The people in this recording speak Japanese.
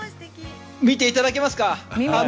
見ていただけますか。